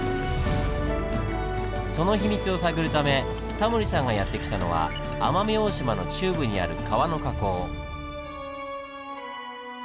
その秘密を探るためタモリさんがやって来たのは奄美大島の中部にある川の河口。